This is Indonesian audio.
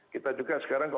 kita juga sekarang kok